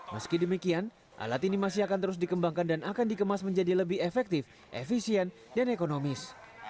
meski demikian alat ini masih akan terus dikembangkan dan akan dikemas menjadi lebih efektif efisien dan ekonomis